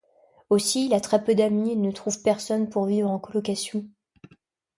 Aussi, il a très peu d'amis et ne trouve personne pour vivre en collocation.